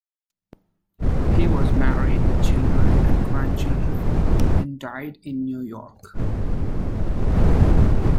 He was married with children and grandchildren, and died in New York.